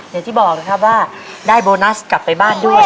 อย่างที่บอกนะครับว่าได้โบนัสกลับไปบ้านด้วย